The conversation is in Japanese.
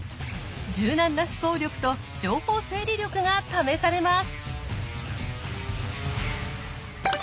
柔軟な思考力と情報整理力が試されます。